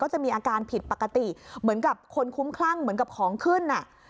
จะมีอาการผิดปกติเหมือนกับคนคุ้มคลั่งเหมือนกับของขึ้นอ่ะ